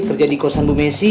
kerja di kosan bu messi